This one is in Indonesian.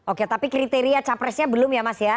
oke tapi kriteria capresnya belum ya mas ya